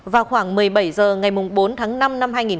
vào khoảng một mươi bảy h ngày bốn tháng năm năm hai nghìn một mươi chín